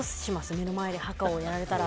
目の前でハカをやられたら？